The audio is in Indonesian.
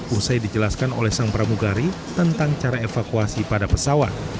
usai dijelaskan oleh sang pramugari tentang cara evakuasi pada pesawat